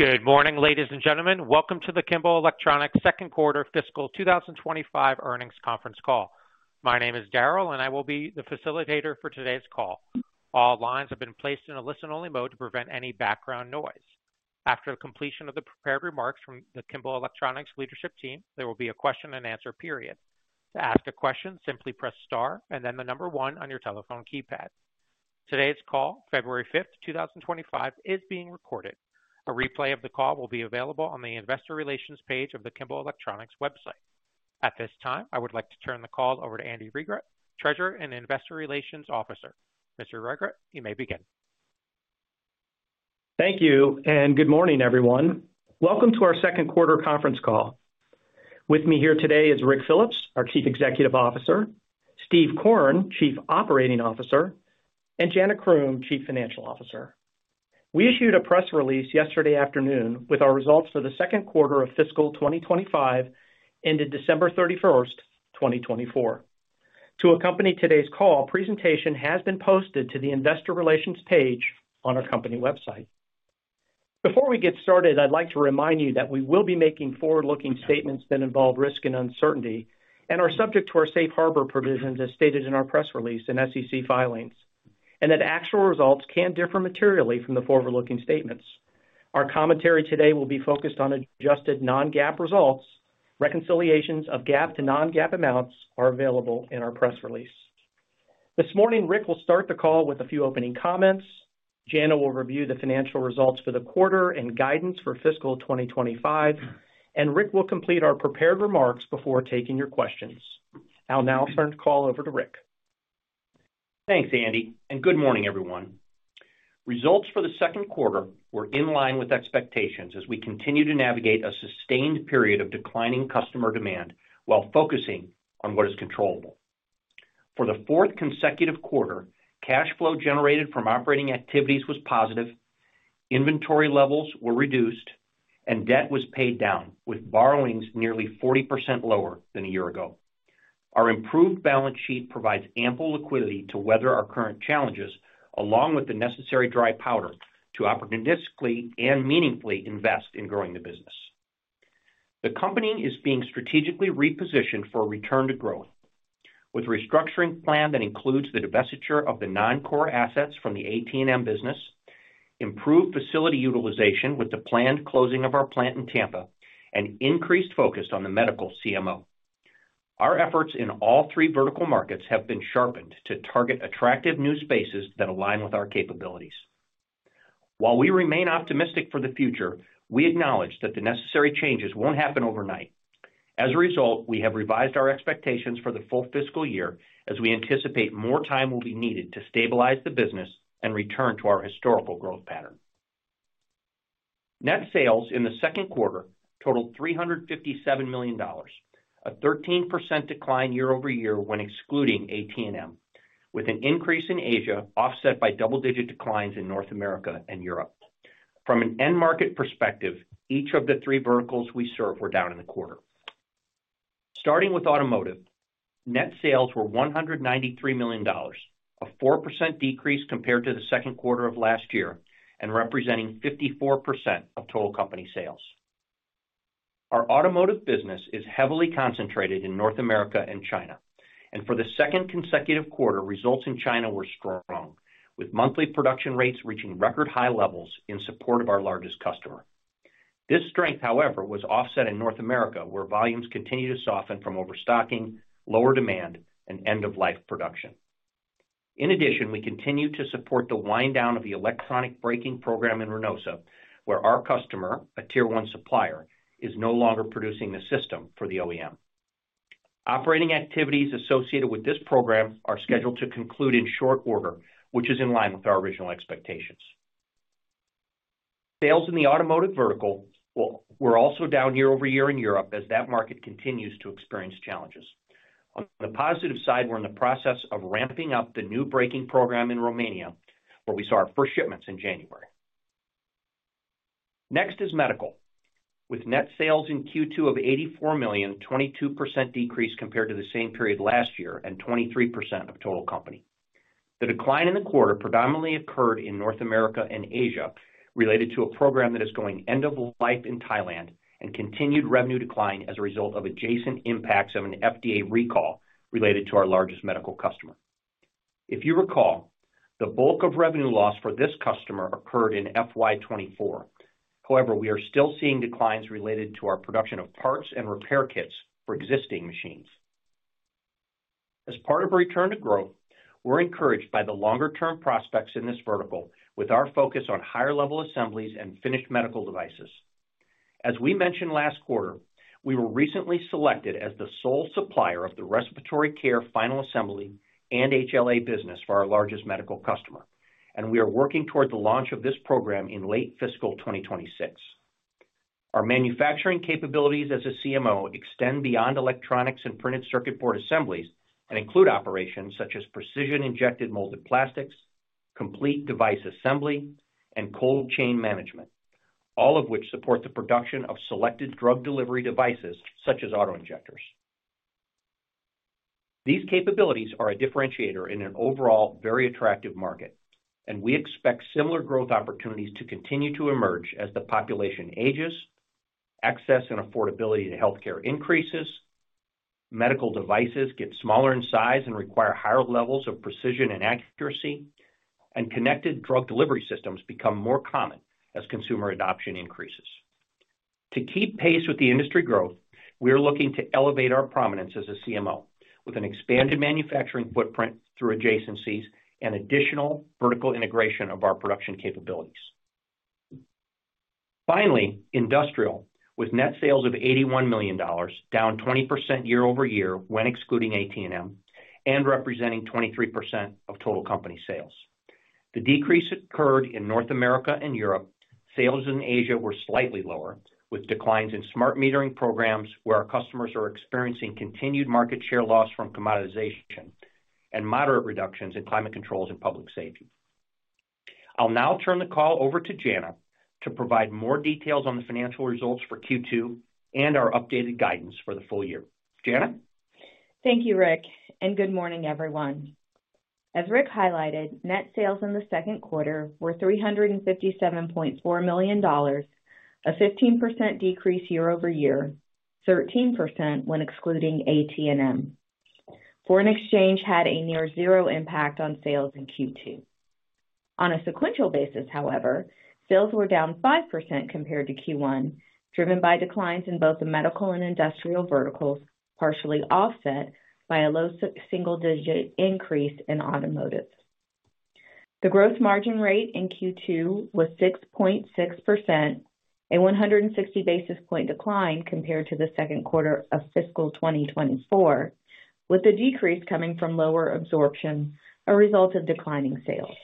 Good morning, ladies and gentlemen. Welcome to the Kimball Electronics second quarter fiscal 2025 earnings conference call. My name is Daryl, and I will be the facilitator for today's call. All lines have been placed in a listen-only mode to prevent any background noise. After the completion of the prepared remarks from the Kimball Electronics leadership team, there will be a question-and-answer period. To ask a question, simply press star and then the number one on your telephone keypad. Today's call, February 5th, 2025, is being recorded. A replay of the call will be available on the investor relations page of the Kimball Electronics website. At this time, I would like to turn the call over to Andy Regrut, Treasurer and Investor Relations Officer. Mr. Regrut, you may begin. Thank you, and good morning, everyone. Welcome to our second quarter conference call. With me here today is Ric Phillips, our Chief Executive Officer, Steve Korn, Chief Operating Officer, and Jana Croom, Chief Financial Officer. We issued a press release yesterday afternoon with our results for the second quarter of fiscal 2025 ended December 31st, 2024. To accompany today's call, a presentation has been posted to the investor relations page on our company website. Before we get started, I'd like to remind you that we will be making forward-looking statements that involve risk and uncertainty and are subject to our safe harbor provisions as stated in our press release and SEC filings, and that actual results can differ materially from the forward-looking statements. Our commentary today will be focused on adjusted non-GAAP results. Reconciliations of GAAP to non-GAAP amounts are available in our press release. This morning, Ric will start the call with a few opening comments. Jana will review the financial results for the quarter and guidance for fiscal 2025, and Ric will complete our prepared remarks before taking your questions. I'll now turn the call over to Ric. Thanks, Andy, and good morning, everyone. Results for the second quarter were in line with expectations as we continue to navigate a sustained period of declining customer demand while focusing on what is controllable. For the fourth consecutive quarter, cash flow generated from operating activities was positive, inventory levels were reduced, and debt was paid down, with borrowings nearly 40% lower than a year ago. Our improved balance sheet provides ample liquidity to weather our current challenges, along with the necessary dry powder to opportunistically and meaningfully invest in growing the business. The company is being strategically repositioned for a return to growth, with a restructuring plan that includes the divestiture of the non-core assets from the AT&M business, improved facility utilization with the planned closing of our plant in Tampa, and increased focus on the medical CMO. Our efforts in all three vertical markets have been sharpened to target attractive new spaces that align with our capabilities. While we remain optimistic for the future, we acknowledge that the necessary changes won't happen overnight. As a result, we have revised our expectations for the full fiscal year as we anticipate more time will be needed to stabilize the business and return to our historical growth pattern. Net sales in the second quarter totaled $357 million, a 13% decline year-over-year when excluding AT&M, with an increase in Asia offset by double-digit declines in North America and Europe. From an end market perspective, each of the three verticals we serve were down in the quarter. Starting with automotive, net sales were $193 million, a 4% decrease compared to the second quarter of last year and representing 54% of total company sales. Our automotive business is heavily concentrated in North America and China, and for the second consecutive quarter, results in China were strong, with monthly production rates reaching record high levels in support of our largest customer. This strength, however, was offset in North America, where volumes continue to soften from overstocking, lower demand, and end-of-life production. In addition, we continue to support the wind-down of the electronic braking program in Renault, where our customer, a Tier 1 supplier, is no longer producing the system for the OEM. Operating activities associated with this program are scheduled to conclude in short order, which is in line with our original expectations. Sales in the automotive vertical were also down year over year in Europe as that market continues to experience challenges. On the positive side, we're in the process of ramping up the new braking program in Romania, where we saw our first shipments in January. Next is medical, with net sales in Q2 of $84 million, a 22% decrease compared to the same period last year and 23% of total company. The decline in the quarter predominantly occurred in North America and Asia related to a program that is going end-of-life in Thailand and continued revenue decline as a result of adjacent impacts of an FDA recall related to our largest medical customer. If you recall, the bulk of revenue loss for this customer occurred in FY 2024. However, we are still seeing declines related to our production of parts and repair kits for existing machines. As part of a return to growth, we're encouraged by the longer-term prospects in this vertical, with our focus on high-level assemblies and finished medical devices. As we mentioned last quarter, we were recently selected as the sole supplier of the respiratory care final assembly and HLA business for our largest medical customer, and we are working toward the launch of this program in late fiscal 2026. Our manufacturing capabilities as a CMO extend beyond electronics and printed circuit board assemblies and include operations such as precision-injected molded plastics, complete device assembly, and cold chain management, all of which support the production of selected drug delivery devices such as autoinjectors. These capabilities are a differentiator in an overall very attractive market, and we expect similar growth opportunities to continue to emerge as the population ages, access and affordability to healthcare increases, medical devices get smaller in size and require higher levels of precision and accuracy, and connected drug delivery systems become more common as consumer adoption increases. To keep pace with the industry growth, we are looking to elevate our prominence as a CMO with an expanded manufacturing footprint through adjacencies and additional vertical integration of our production capabilities. Finally, industrial, with net sales of $81 million, down 20% year-over-year when excluding AT&M and representing 23% of total company sales. The decrease occurred in North America and Europe. Sales in Asia were slightly lower, with declines in smart metering programs where our customers are experiencing continued market share loss from commoditization and moderate reductions in climate controls and public safety. I'll now turn the call over to Jana to provide more details on the financial results for Q2 and our updated guidance for the full year. Jana? Thank you, Ric, and good morning, everyone. As Ric highlighted, net sales in the second quarter were $357.4 million, a 15% decrease year-over-year, 13% when excluding AT&M, foreign exchange had a near-zero impact on sales in Q2. On a sequential basis, however, sales were down 5% compared to Q1, driven by declines in both the medical and industrial verticals, partially offset by a low single-digit increase in automotive. The gross margin rate in Q2 was 6.6%, a 160 basis point decline compared to the second quarter of fiscal 2024, with the decrease coming from lower absorption as a result of declining sales.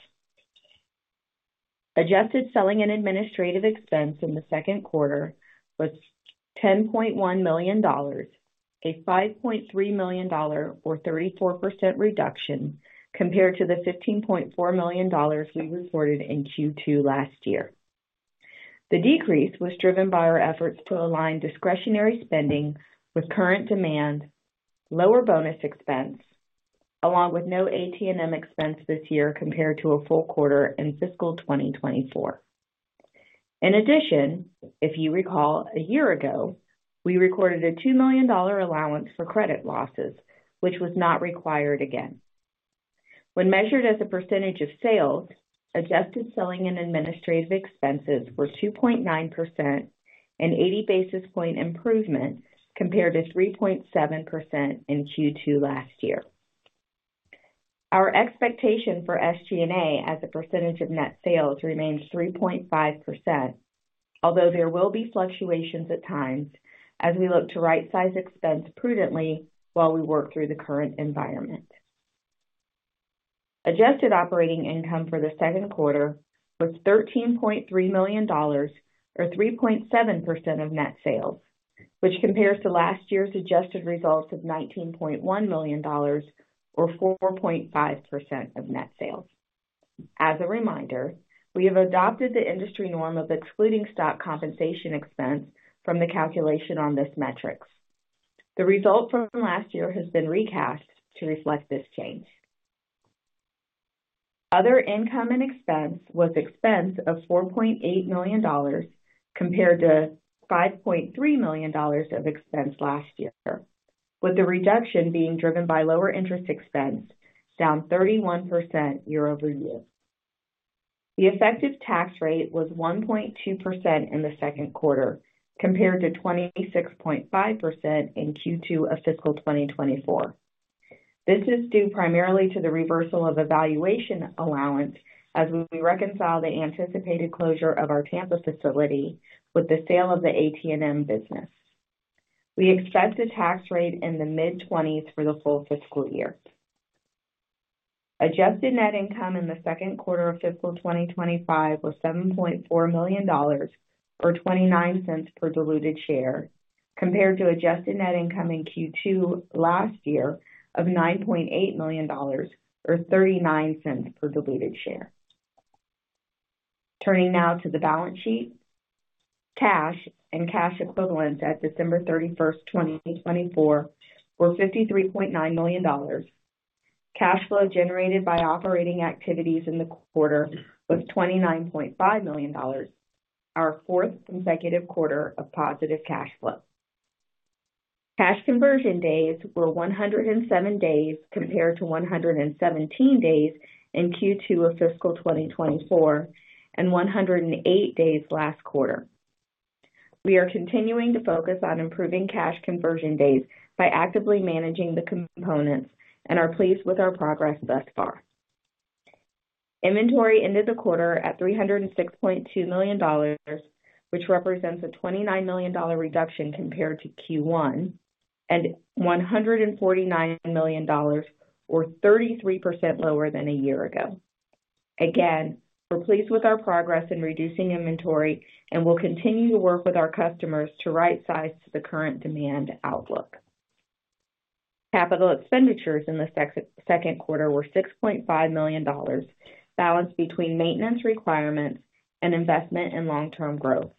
Adjusted selling and administrative expense in the second quarter was $10.1 million, a $5.3 million, or 34% reduction compared to the $15.4 million we reported in Q2 last year. The decrease was driven by our efforts to align discretionary spending with current demand, lower bonus expense, along with no AT&M expense this year compared to a full quarter in fiscal 2024. In addition, if you recall, a year ago, we recorded a $2 million allowance for credit losses, which was not required again. When measured as a percentage of sales, adjusted selling and administrative expenses were 2.9%, an 80 basis point improvement compared to 3.7% in Q2 last year. Our expectation for SG&A as a percentage of net sales remains 3.5%, although there will be fluctuations at times as we look to right-size expense prudently while we work through the current environment. Adjusted operating income for the second quarter was $13.3 million, or 3.7% of net sales, which compares to last year's adjusted results of $19.1 million, or 4.5% of net sales. As a reminder, we have adopted the industry norm of excluding stock compensation expense from the calculation on this metric. The result from last year has been recast to reflect this change. Other income and expense was expense of $4.8 million compared to $5.3 million of expense last year, with the reduction being driven by lower interest expense, down 31% year-over-year. The effective tax rate was 1.2% in the second quarter compared to 26.5% in Q2 of fiscal 2024. This is due primarily to the reversal of valuation allowance as we reconcile the anticipated closure of our Tampa facility with the sale of the AT&M business. We expect a tax rate in the mid-20s for the full fiscal year. Adjusted net income in the second quarter of fiscal 2025 was $7.4 million, or $0.29 per diluted share, compared to adjusted net income in Q2 last year of $9.8 million, or $0.39 per diluted share. Turning now to the balance sheet, cash and cash equivalents at December 31st, 2024, were $53.9 million. Cash flow generated by operating activities in the quarter was $29.5 million, our fourth consecutive quarter of positive cash flow. Cash conversion days were 107 days compared to 117 days in Q2 of fiscal 2024 and 108 days last quarter. We are continuing to focus on improving cash conversion days by actively managing the components and are pleased with our progress thus far. Inventory ended the quarter at $306.2 million, which represents a $29 million reduction compared to Q1 and $149 million, or 33% lower than a year ago. Again, we're pleased with our progress in reducing inventory and will continue to work with our customers to right-size the current demand outlook. Capital expenditures in the second quarter were $6.5 million, balanced between maintenance requirements and investment in long-term growth.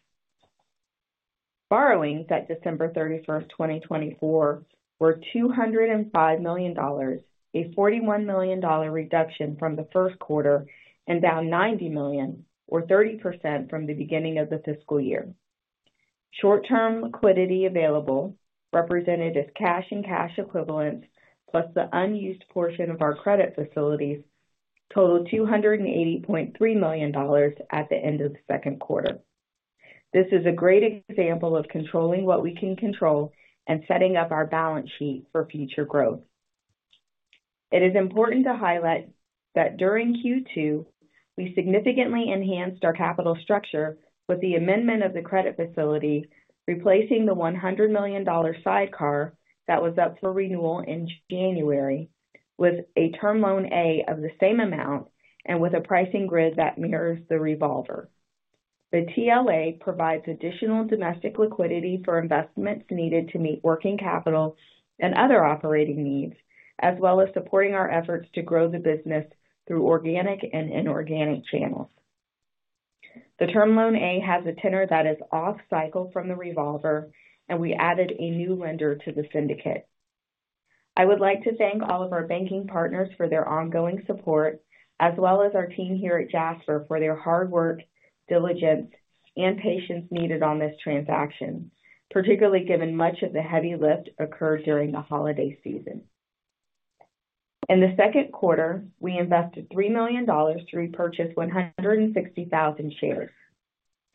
Borrowings at December 31st, 2024, were $205 million, a $41 million reduction from the first quarter and down $90 million, or 30% from the beginning of the fiscal year. Short-term liquidity available represented as cash and cash equivalents plus the unused portion of our credit facilities totaled $280.3 million at the end of the second quarter. This is a great example of controlling what we can control and setting up our balance sheet for future growth. It is important to highlight that during Q2, we significantly enhanced our capital structure with the amendment of the credit facility, replacing the $100 million sidecar that was up for renewal in January with a term loan A of the same amount and with a pricing grid that mirrors the revolver. The TLA provides additional domestic liquidity for investments needed to meet working capital and other operating needs, as well as supporting our efforts to grow the business through organic and inorganic channels. The Term Loan A has a tenor that is off-cycle from the revolver, and we added a new lender to the syndicate. I would like to thank all of our banking partners for their ongoing support, as well as our team here at Jasper for their hard work, diligence, and patience needed on this transaction, particularly given much of the heavy lift occurred during the holiday season. In the second quarter, we invested $3 million to repurchase 160,000 shares.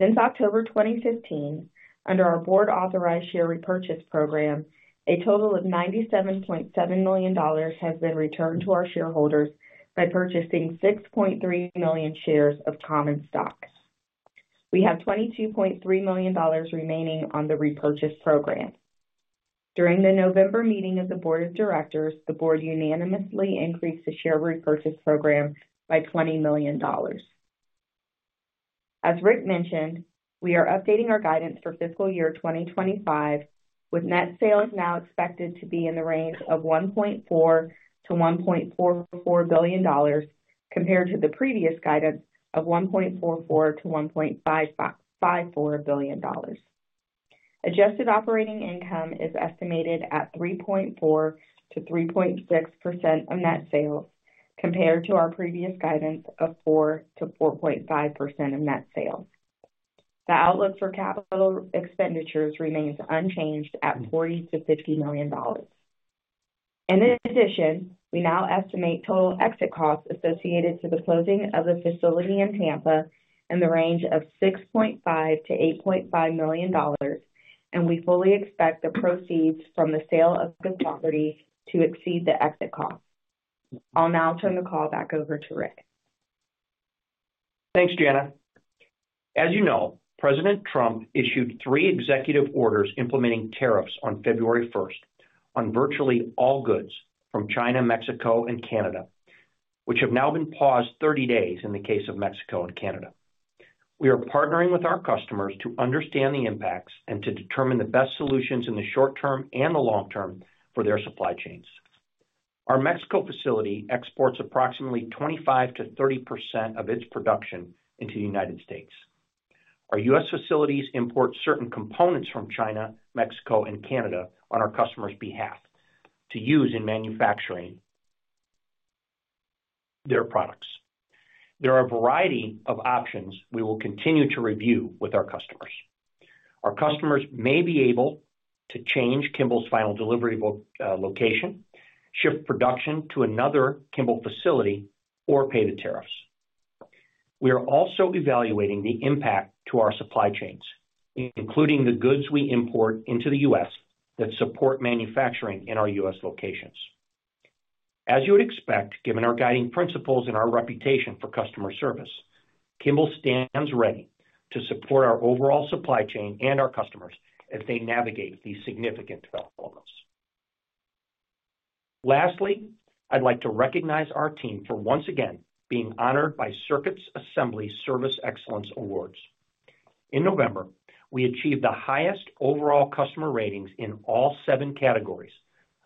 Since October 2015, under our board-authorized share repurchase program, a total of $97.7 million has been returned to our shareholders by purchasing 6.3 million shares of common stock. We have $22.3 million remaining on the repurchase program. During the November meeting of the board of directors, the board unanimously increased the share repurchase program by $20 million. As Ric mentioned, we are updating our guidance for fiscal year 2025, with net sales now expected to be in the range of $1.4 billion-$1.44 billion compared to the previous guidance of $1.44-$1.54 billion. Adjusted operating income is estimated at 3.4%-3.6% of net sales compared to our previous guidance of 4%-4.5% of net sales. The outlook for capital expenditures remains unchanged at $40 million-$50 million. In addition, we now estimate total exit costs associated with the closing of the facility in Tampa in the range of $6.5 million-$8.5 million, and we fully expect the proceeds from the sale of the property to exceed the exit costs. I'll now turn the call back over to Ric. Thanks, Jana. As you know, President Trump issued three executive orders implementing tariffs on February 1st on virtually all goods from China, Mexico, and Canada, which have now been paused 30 days in the case of Mexico and Canada. We are partnering with our customers to understand the impacts and to determine the best solutions in the short term and the long term for their supply chains. Our Mexico facility exports approximately 25%-30% of its production into the United States. Our U.S. facilities import certain components from China, Mexico, and Canada on our customers' behalf to use in manufacturing their products. There are a variety of options we will continue to review with our customers. Our customers may be able to change Kimball's final delivery location, shift production to another Kimball facility, or pay the tariffs. We are also evaluating the impact to our supply chains, including the goods we import into the U.S. that support manufacturing in our U.S. locations. As you would expect, given our guiding principles and our reputation for customer service, Kimball stands ready to support our overall supply chain and our customers as they navigate these significant developments. Lastly, I'd like to recognize our team for once again being honored by Circuits Assembly Service Excellence Awards. In November, we achieved the highest overall customer ratings in all seven categories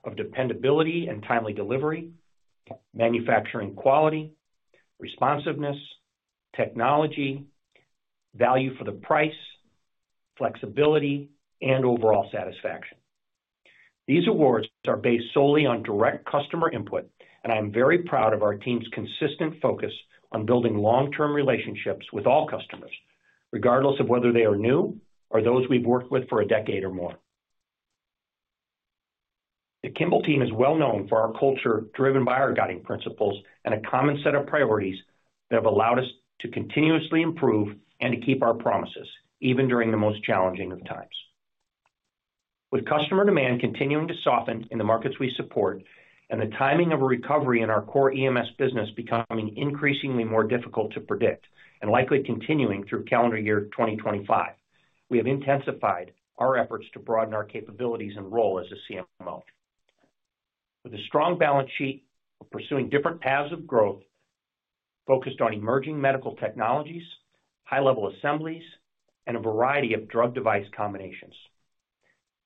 of dependability and timely delivery, manufacturing quality, responsiveness, technology, value for the price, flexibility, and overall satisfaction. These awards are based solely on direct customer input, and I am very proud of our team's consistent focus on building long-term relationships with all customers, regardless of whether they are new or those we've worked with for a decade or more. The Kimball team is well known for our culture driven by our guiding principles and a common set of priorities that have allowed us to continuously improve and to keep our promises even during the most challenging of times. With customer demand continuing to soften in the markets we support and the timing of a recovery in our core EMS business becoming increasingly more difficult to predict and likely continuing through calendar year 2025, we have intensified our efforts to broaden our capabilities and role as a CMO. With a strong balance sheet of pursuing different paths of growth focused on emerging medical technologies, high-level assemblies, and a variety of drug-device combinations.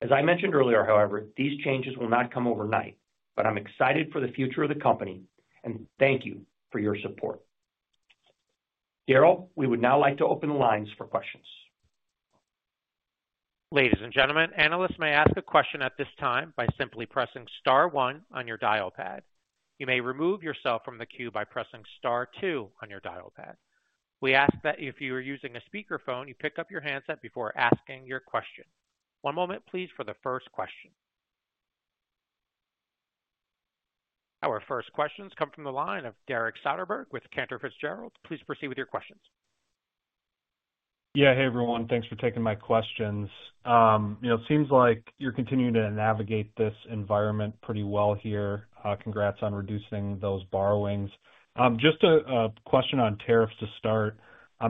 As I mentioned earlier, however, these changes will not come overnight, but I'm excited for the future of the company and thank you for your support. Daryl, we would now like to open the lines for questions. Ladies and gentlemen, analysts may ask a question at this time by simply pressing Star one on your dial pad. You may remove yourself from the queue by pressing Star two on your dial pad. We ask that if you are using a speakerphone, you pick up your handset before asking your question. One moment, please, for the first question. Our first questions come from the line of Derek Soderberg with Cantor Fitzgerald. Please proceed with your questions. Yeah, hey, everyone. Thanks for taking my questions. You know, it seems like you're continuing to navigate this environment pretty well here. Congrats on reducing those borrowings. Just a question on tariffs to start.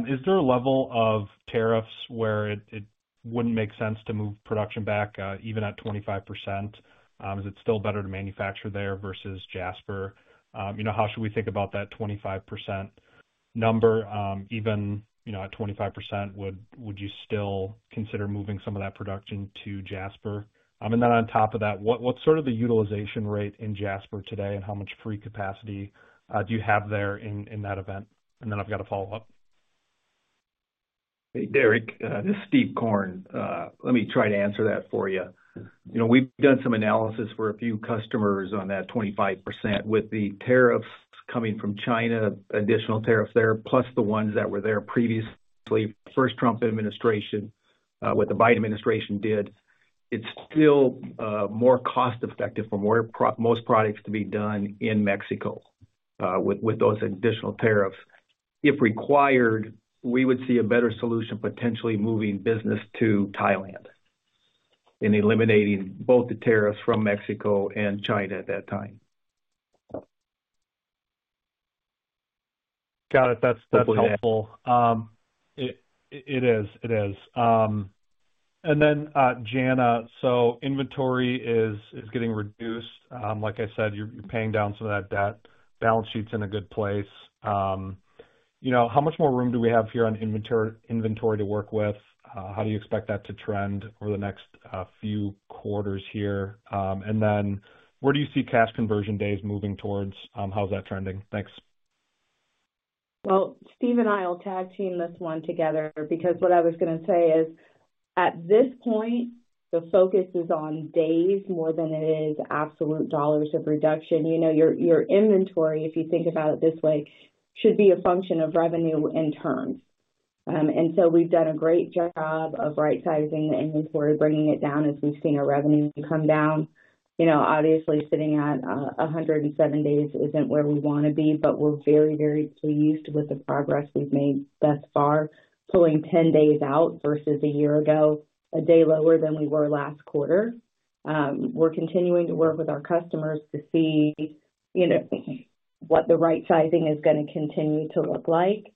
Is there a level of tariffs where it wouldn't make sense to move production back even at 25%? Is it still better to manufacture there versus Jasper? You know, how should we think about that 25% number? Even, you know, at 25%, would you still consider moving some of that production to Jasper? And then on top of that, what's sort of the utilization rate in Jasper today and how much free capacity do you have there in that event? And then I've got a follow-up. Hey, Derek, this is Steve Korn. Let me try to answer that for you. You know, we've done some analysis for a few customers on that 25% with the tariffs coming from China, additional tariffs there, plus the ones that were there previously, first Trump administration, what the Biden administration did. It's still more cost-effective for most products to be done in Mexico with those additional tariffs. If required, we would see a better solution potentially moving business to Thailand and eliminating both the tariffs from Mexico and China at that time. Got it. That's helpful. It is. And then, Jana, so inventory is getting reduced. Like I said, you're paying down some of that debt. Balance sheet's in a good place. You know, how much more room do we have here on inventory to work with? How do you expect that to trend over the next few quarters here? And then where do you see cash conversion days moving towards? How's that trending? Thanks. Steve and I will tag team this one together because what I was going to say is at this point, the focus is on days more than it is absolute dollars of reduction. You know, your inventory, if you think about it this way, should be a function of revenue in terms. And so we've done a great job of right-sizing the inventory, bringing it down as we've seen our revenue come down. You know, obviously, sitting at 107 days isn't where we want to be, but we're very, very pleased with the progress we've made thus far, pulling 10 days out versus a year ago, a day lower than we were last quarter. We're continuing to work with our customers to see, you know, what the right-sizing is going to continue to look like.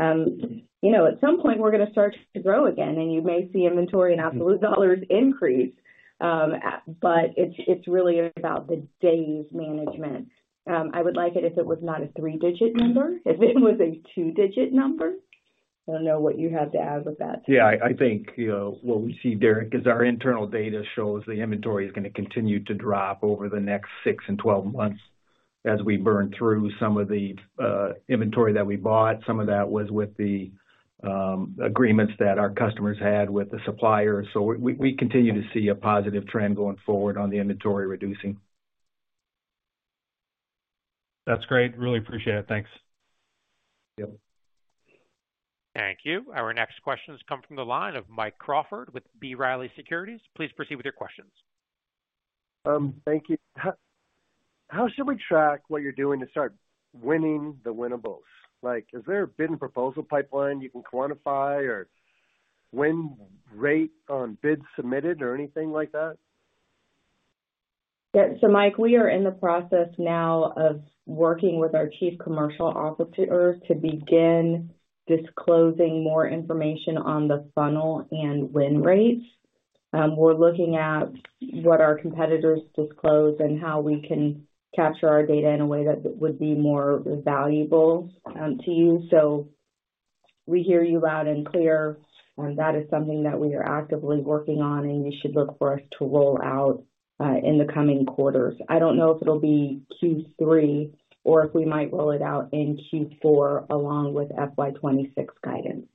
You know, at some point, we're going to start to grow again, and you may see inventory and absolute dollars increase, but it's really about the days management. I would like it if it was not a three-digit number, if it was a two-digit number. I don't know what you have to add with that. Yeah, I think what we see, Derek, is our internal data shows the inventory is going to continue to drop over the next 6 and 12 months as we burn through some of the inventory that we bought. Some of that was with the agreements that our customers had with the suppliers. So we continue to see a positive trend going forward on the inventory reducing. That's great. Really appreciate it. Thanks. Yep. Thank you. Our next questions come from the line of Mike Crawford with B. Riley Securities. Please proceed with your questions. Thank you. How should we track what you're doing to start winning the winnables? Like, has there been a proposal pipeline you can quantify or win rate on bids submitted or anything like that? Yeah. So, Mike, we are in the process now of working with our chief commercial officers to begin disclosing more information on the funnel and win rates. We're looking at what our competitors disclose and how we can capture our data in a way that would be more valuable to you. So we hear you loud and clear, and that is something that we are actively working on, and you should look for us to roll out in the coming quarters. I don't know if it'll be Q3 or if we might roll it out in Q4 along with FY2026 guidance.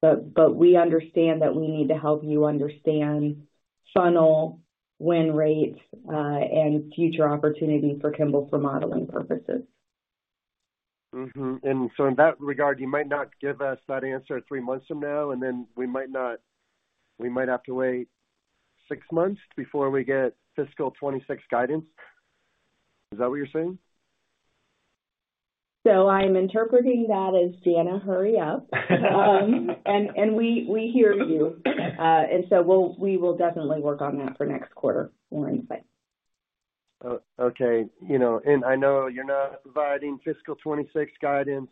But we understand that we need to help you understand funnel, win rates, and future opportunity for Kimball for modeling purposes. And so in that regard, you might not give us that answer three months from now, and then we might not, we might have to wait six months before we get fiscal 2026 guidance. Is that what you're saying? So, I'm interpreting that as, "Jana, hurry up." And we hear you. And so we will definitely work on that for next quarter, more insight. Okay. You know, and I know you're not providing fiscal 2026 guidance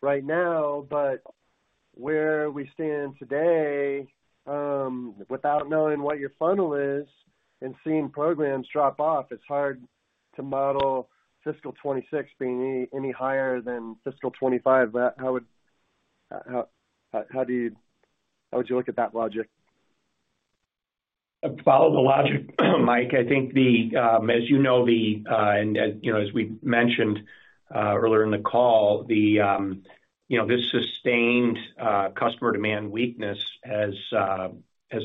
right now, but where we stand today, without knowing what your funnel is and seeing programs drop off, it's hard to model fiscal 2026 being any higher than fiscal 2025. How would you look at that logic? Follow the logic, Mike. I think, as you know, and as we mentioned earlier in the call, the, you know, this sustained customer demand weakness has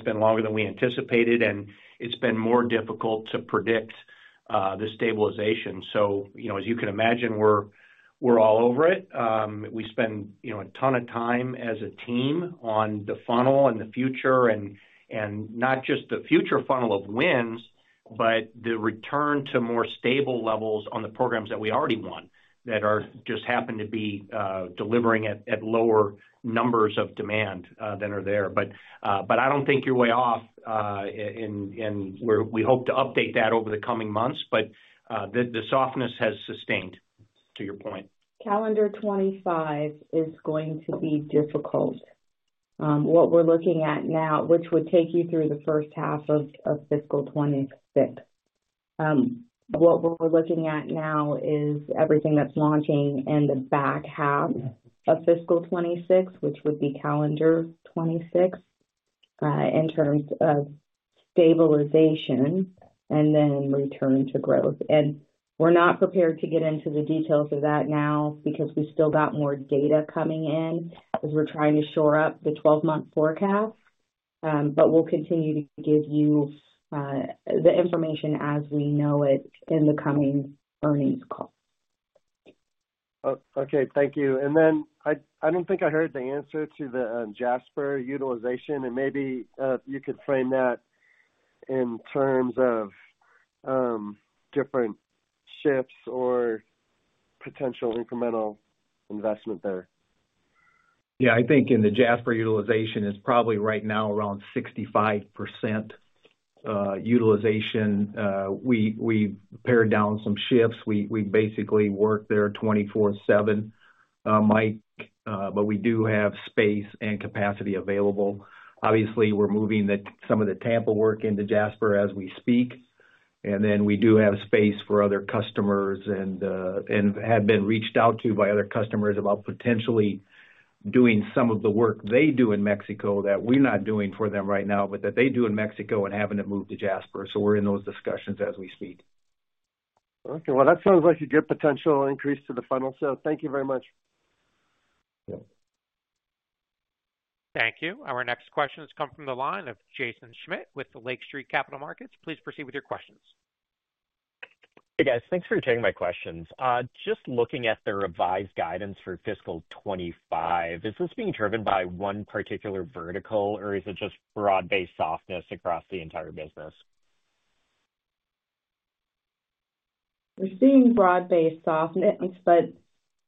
been longer than we anticipated, and it's been more difficult to predict the stabilization. So, you know, as you can imagine, we're all over it. We spend, you know, a ton of time as a team on the funnel and the future, and not just the future funnel of wins, but the return to more stable levels on the programs that we already won that just happen to be delivering at lower numbers of demand than are there. But I don't think you're way off, and we hope to update that over the coming months, but the softness has sustained, to your point. Calendar 2025 is going to be difficult. What we're looking at now, which would take you through the first half of fiscal 2026, is everything that's launching in the back half of fiscal 2026, which would be calendar 2026 in terms of stabilization and then return to growth, and we're not prepared to get into the details of that now because we've still got more data coming in as we're trying to shore up the 12-month forecast, but we'll continue to give you the information as we know it in the coming earnings call. Okay. Thank you. And then I don't think I heard the answer to the Jasper utilization, and maybe you could frame that in terms of different shifts or potential incremental investment there. Yeah, I think in the Jasper utilization, it's probably right now around 65% utilization. We've pared down some shifts. We basically work there 24/7, Mike, but we do have space and capacity available. Obviously, we're moving some of the Tampa work into Jasper as we speak. And then we do have space for other customers and have been reached out to by other customers about potentially doing some of the work they do in Mexico that we're not doing for them right now, but that they do in Mexico and having it moved to Jasper. So we're in those discussions as we speak. Okay. Well, that sounds like a good potential increase to the funnel. So thank you very much. Thank you. Our next questions come from the line of Jaeson Schmidt with the Lake Street Capital Markets. Please proceed with your questions. Hey, guys. Thanks for taking my questions. Just looking at the revised guidance for fiscal 2025, is this being driven by one particular vertical, or is it just broad-based softness across the entire business? We're seeing broad-based softness, but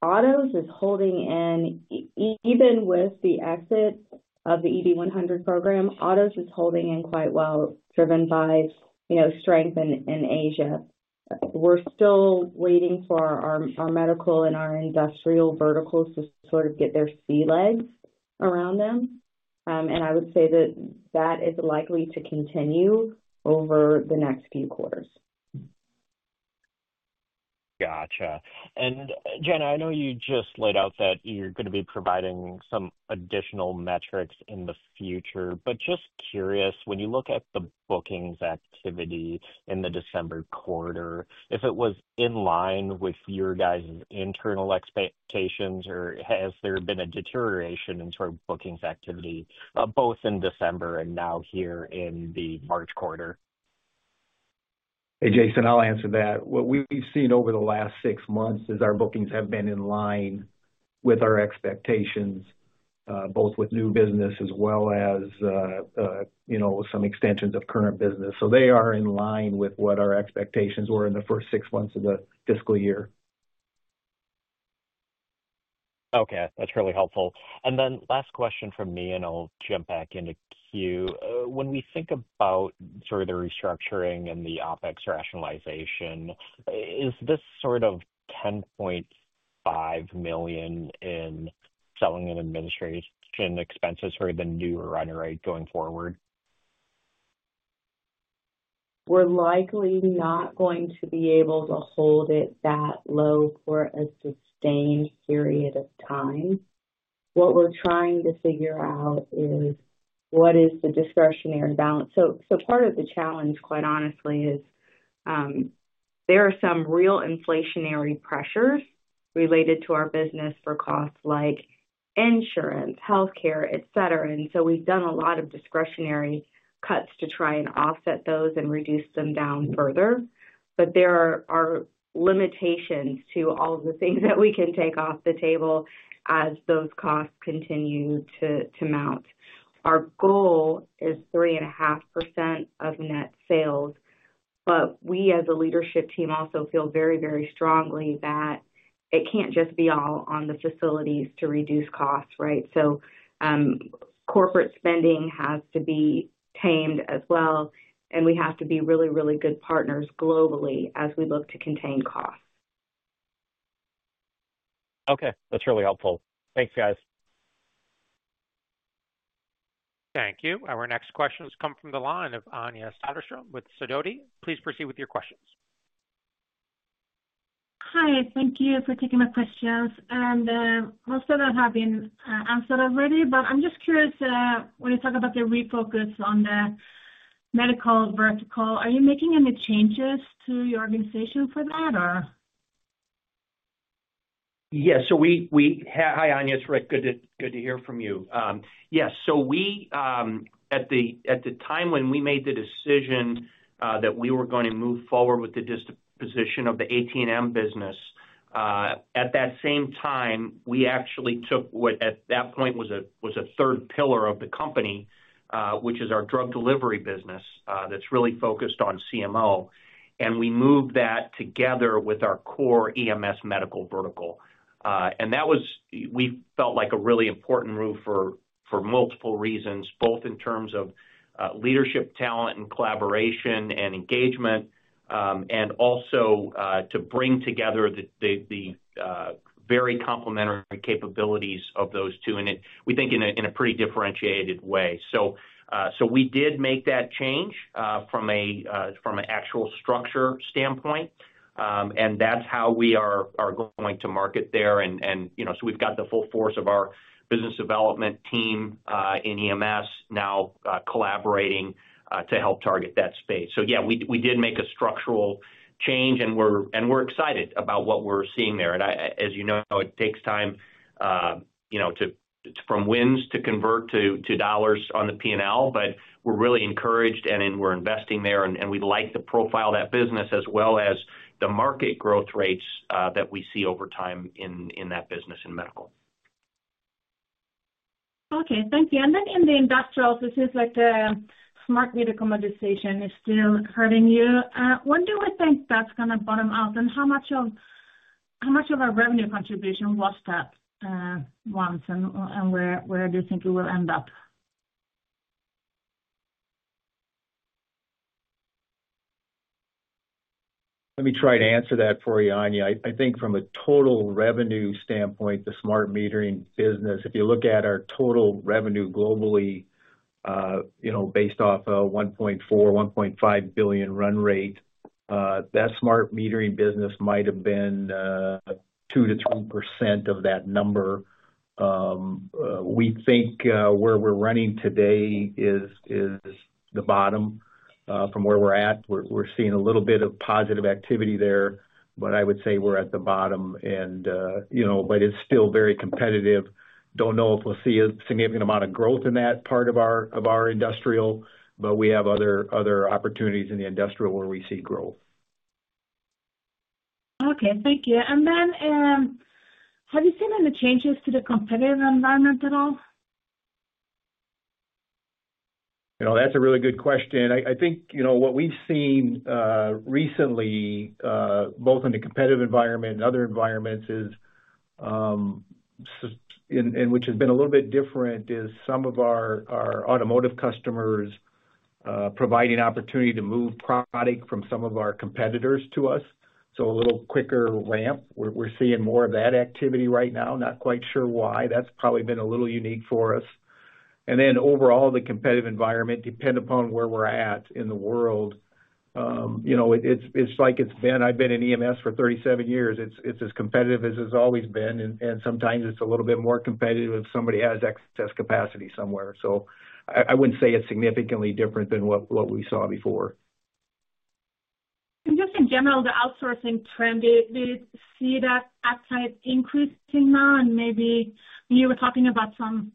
autos is holding in even with the exit of the ED100 program. Autos is holding in quite well, driven by, you know, strength in Asia. We're still waiting for our medical and our industrial verticals to sort of get their sea legs around them. And I would say that that is likely to continue over the next few quarters. Gotcha, and Jana, I know you just laid out that you're going to be providing some additional metrics in the future, but just curious, when you look at the bookings activity in the December quarter, if it was in line with your guys' internal expectations, or has there been a deterioration in sort of bookings activity both in December and now here in the March quarter? Hey, Jason, I'll answer that. What we've seen over the last six months is our bookings have been in line with our expectations, both with new business as well as, you know, some extensions of current business. So they are in line with what our expectations were in the first six months of the fiscal year. Okay. That's really helpful. And then last question from me, and I'll jump back into Queue. When we think about sort of the restructuring and the OpEx rationalization, is this sort of $10.5 million in selling and administration expenses for the new run rate going forward? We're likely not going to be able to hold it that low for a sustained period of time. What we're trying to figure out is what is the discretionary balance. So part of the challenge, quite honestly, is there are some real inflationary pressures related to our business for costs like insurance, healthcare, et cetera. And so we've done a lot of discretionary cuts to try and offset those and reduce them down further. But there are limitations to all the things that we can take off the table as those costs continue to mount. Our goal is 3.5% of net sales, but we as a leadership team also feel very, very strongly that it can't just be all on the facilities to reduce costs, right? So corporate spending has to be tamed as well, and we have to be really, really good partners globally as we look to contain costs. Okay. That's really helpful. Thanks, guys. Thank you. Our next questions come from the line of Anja Soderstrom with Sidoti. Please proceed with your questions. Hi. Thank you for taking my questions. And most of them have been answered already, but I'm just curious, when you talk about the refocus on the medical vertical, are you making any changes to your organization for that? Yes. So we, hi, Anja. It's great to hear from you. Yes. So we, at the time when we made the decision that we were going to move forward with the disposition of the AT&M business, at that same time, we actually took what at that point was a third pillar of the company, which is our drug delivery business that's really focused on CMO. And we moved that together with our core EMS medical vertical. And that was, we felt like a really important move for multiple reasons, both in terms of leadership talent and collaboration and engagement, and also to bring together the very complementary capabilities of those two, and we think in a pretty differentiated way. So we did make that change from an actual structure standpoint, and that's how we are going to market there. You know, so we've got the full force of our business development team in EMS now collaborating to help target that space. Yeah, we did make a structural change, and we're excited about what we're seeing there. As you know, it takes time, you know, from wins to convert to dollars on the P&L, but we're really encouraged, and we're investing there, and we like the profile of that business as well as the market growth rates that we see over time in that business in medical. Okay. Thank you. And then in the industrials, it seems like the smart metering commoditization is still hurting you. When do we think that's going to bottom out, and how much of our revenue contribution was that once, and where do you think it will end up? Let me try to answer that for you, Anja. I think from a total revenue standpoint, the smart metering business, if you look at our total revenue globally, you know, based off a $1.4 billion-$1.5 billion run rate, that smart metering business might have been 2%-3% of that number. We think where we're running today is the bottom from where we're at. We're seeing a little bit of positive activity there, but I would say we're at the bottom, and, you know, but it's still very competitive. Don't know if we'll see a significant amount of growth in that part of our industrial, but we have other opportunities in the industrial where we see growth. Okay. Thank you. And then have you seen any changes to the competitive environment at all? You know, that's a really good question. I think, you know, what we've seen recently, both in the competitive environment and other environments, is, and which has been a little bit different, is some of our automotive customers providing opportunity to move product from some of our competitors to us. So a little quicker ramp. We're seeing more of that activity right now. Not quite sure why. That's probably been a little unique for us. And then overall, the competitive environment, depending upon where we're at in the world, you know, it's like it's been, I've been in EMS for 37 years. It's as competitive as it's always been, and sometimes it's a little bit more competitive if somebody has excess capacity somewhere. So I wouldn't say it's significantly different than what we saw before. And just in general, the outsourcing trend, do you see that appetite increasing now? And maybe you were talking about some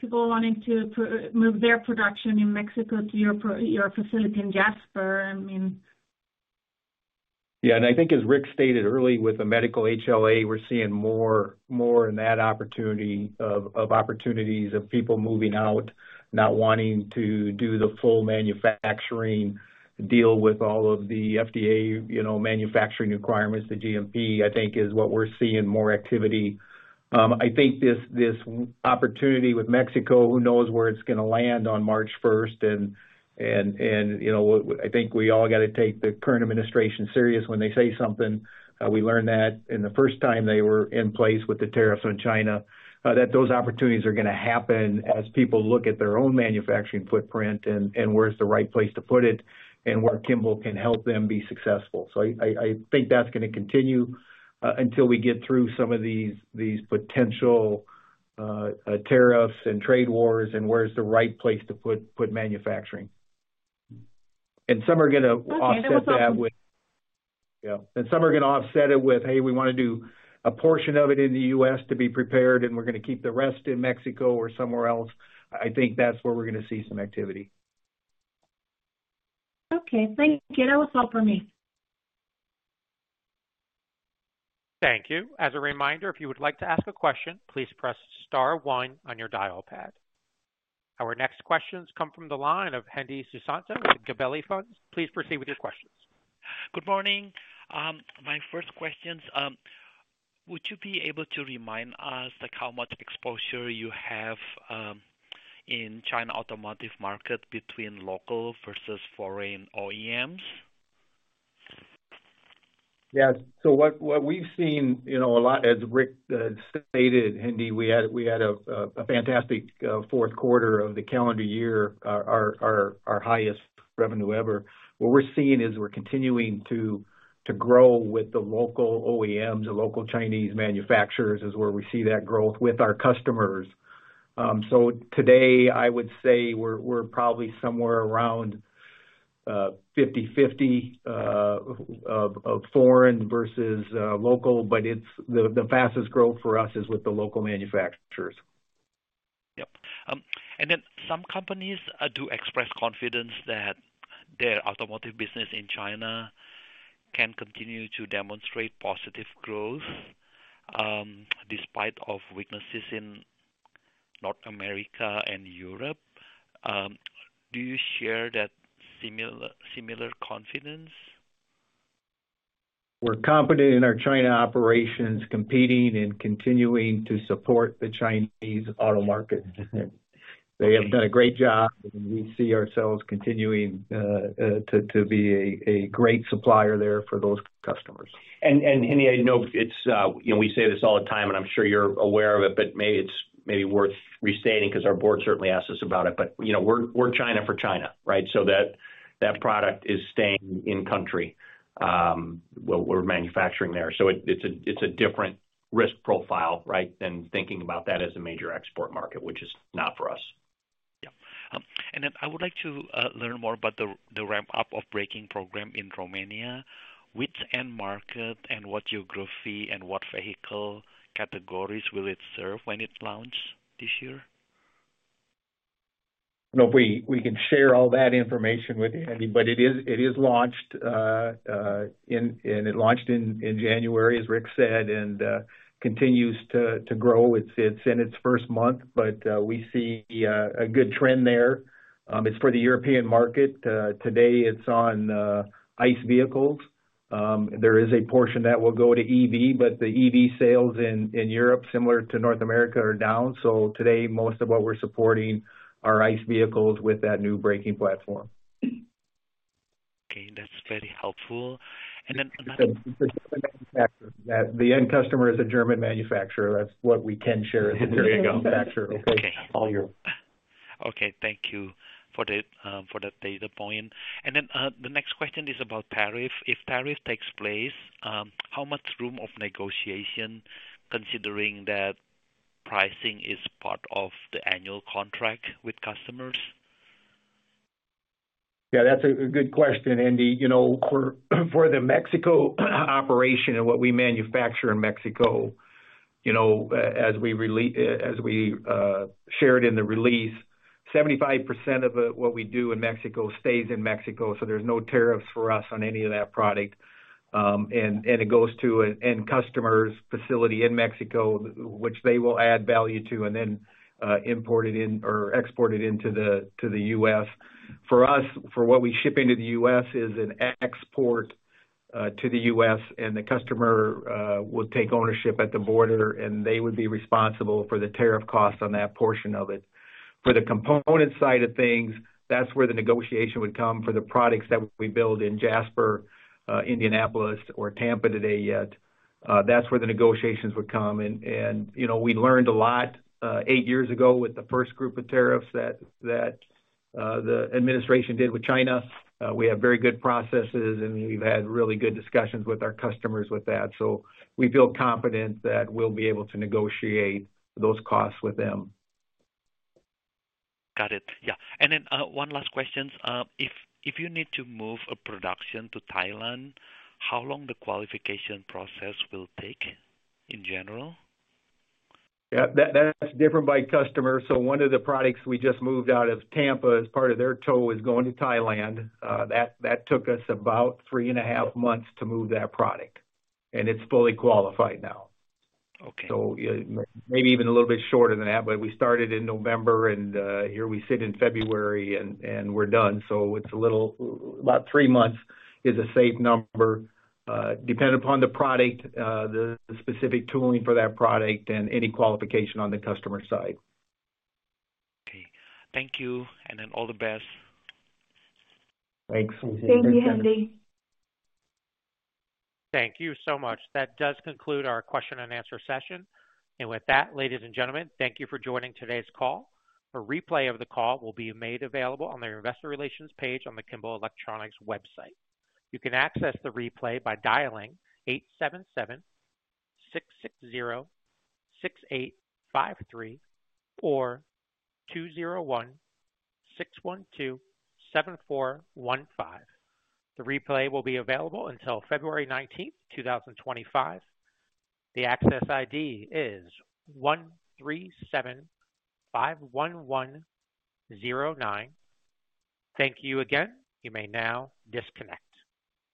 people wanting to move their production in Mexico to your facility in Jasper. I mean. Yeah. I think, as Ric stated early, with the medical HLA, we're seeing more and more in that opportunity of opportunities of people moving out, not wanting to do the full manufacturing, deal with all of the FDA, you know, manufacturing requirements. The GMP, I think, is what we're seeing more activity. I think this opportunity with Mexico, who knows where it's going to land on March 1st, and, you know, I think we all got to take the current administration seriously when they say something. We learned that in the first time they were in place with the tariffs on China, that those opportunities are going to happen as people look at their own manufacturing footprint and where's the right place to put it and where Kimball can help them be successful. So I think that's going to continue until we get through some of these potential tariffs and trade wars and where's the right place to put manufacturing. And some are going to offset that with, "Hey, we want to do a portion of it in the U.S. to be prepared, and we're going to keep the rest in Mexico or somewhere else." I think that's where we're going to see some activity. Okay. Thank you. That was all for me. Thank you. As a reminder, if you would like to ask a question, please press star one on your dial pad. Our next questions come from the line of Hendi Susanto with the Gabelli Funds. Please proceed with your questions. Good morning. My first questions, would you be able to remind us how much exposure you have in China automotive market between local versus foreign OEMs? Yes. So what we've seen, you know, a lot, as Ric stated, Hendi, we had a fantastic fourth quarter of the calendar year, our highest revenue ever. What we're seeing is we're continuing to grow with the local OEMs, the local Chinese manufacturers is where we see that growth with our customers. So today, I would say we're probably somewhere around 50/50 of foreign versus local, but the fastest growth for us is with the local manufacturers. Yep. And then some companies do express confidence that their automotive business in China can continue to demonstrate positive growth despite weaknesses in North America and Europe. Do you share that similar confidence? We're confident in our China operations, competing and continuing to support the Chinese auto market. They have done a great job, and we see ourselves continuing to be a great supplier there for those customers. Hendi, I know it's, you know, we say this all the time, and I'm sure you're aware of it, but it's maybe worth restating because our board certainly asked us about it. But, you know, we're China for China, right? So that product is staying in country where we're manufacturing there. So it's a different risk profile, right, than thinking about that as a major export market, which is not for us. Yeah. And then I would like to learn more about the ramp-up of braking program in Romania. Which end market and what geography and what vehicle categories will it serve when it launches this year? You know, we can share all that information with you, Hendi, but it is launched, and it launched in January, as Ric said, and continues to grow. It's in its first month, but we see a good trend there. It's for the European market. Today, it's on ICE vehicles. There is a portion that will go to EV, but the EV sales in Europe, similar to North America, are down. So today, most of what we're supporting are ICE vehicles with that new braking platform. Okay. That's very helpful, and then another. The end customer is a German manufacturer. That's what we can share as a German manufacturer. Okay. All yours. Okay. Thank you for the data point. And then the next question is about tariff. If tariff takes place, how much room for negotiation, considering that pricing is part of the annual contract with customers? Yeah, that's a good question, Hendi. You know, for the Mexico operation and what we manufacture in Mexico, you know, as we shared in the release, 75% of what we do in Mexico stays in Mexico. So there's no tariffs for us on any of that product. And it goes to an end customer's facility in Mexico, which they will add value to and then import it in or export it into the U.S. For us, for what we ship into the U.S. is an export to the U.S., and the customer will take ownership at the border, and they would be responsible for the tariff costs on that portion of it. For the component side of things, that's where the negotiation would come for the products that we build in Jasper, Indianapolis, or Tampa today. That's where the negotiations would come. You know, we learned a lot eight years ago with the first group of tariffs that the administration did with China. We have very good processes, and we've had really good discussions with our customers with that. We feel confident that we'll be able to negotiate those costs with them. Got it. Yeah, and then one last question. If you need to move a production to Thailand, how long the qualification process will take in general? Yeah. That's different by customer. So one of the products we just moved out of Tampa as part of the two is going to Thailand. That took us about three and a half months to move that product. And it's fully qualified now. So maybe even a little bit shorter than that, but we started in November, and here we sit in February, and we're done. So it's a little about three months is a safe number, depending upon the product, the specific tooling for that product, and any qualification on the customer side. Okay. Thank you. And then all the best. Thanks. Thank you, Hendi. Thank you so much. That does conclude our question and answer session. And with that, ladies and gentlemen, thank you for joining today's call. A replay of the call will be made available on the investor relations page on the Kimball Electronics website. You can access the replay by dialing 877-660-6853 or 201-612-7415. The replay will be available until February 19th, 2025. The access ID is 137-511-09. Thank you again. You may now disconnect.